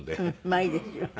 まあいいですよ。